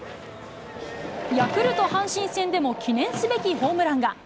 ヤクルト・阪神戦でも、記念すべきホームランが。